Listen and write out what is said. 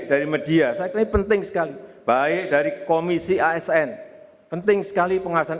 dari media saya kira penting sekali baik dari komisi asn penting sekali penghasilan